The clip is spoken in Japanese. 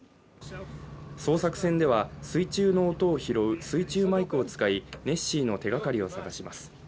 捜索船では水中の音を拾う水中マイクを使いネッシーの手がかりを探します。